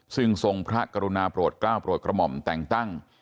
ซึ่งทรงพระกฎุณาโปรดเกล้าโปรดขมหมแต่งตั้ง